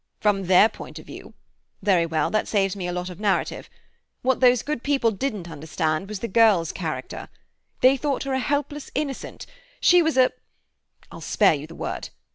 "From their point of view. Very well; that saves me a lot of narrative. What those good people didn't understand was the girl's character. They thought her a helpless innocent; she was a—I'll spare you the word.